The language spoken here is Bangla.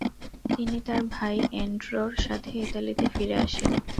তিনি তার ভাই এন্ড্রোর সাথে ইতালিতে ফিরে আসেন।